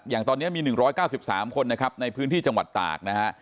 อย่างตอนนี้มี๑๙๓คนนะครับในพื้นที่จังหวัดตากนะฮะ